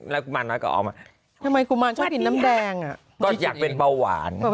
แล้วกุมารน้อยก็เอามาทำไมกุมารชอบกินน้ำแดงอ่ะก็อยากเป็นเบาหวาน